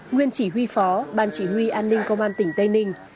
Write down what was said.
nguyên chỉ huy phó ban chỉ huy an ninh công an tỉnh tây ninh